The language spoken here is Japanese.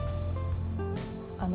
あの。